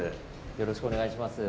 よろしくお願いします。